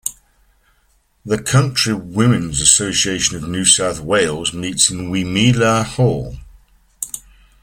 The Country Women's Association of New South Wales meets in Weemelah Hall.